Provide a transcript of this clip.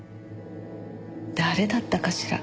誰だったかしら？